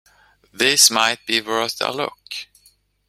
This might be worth a look.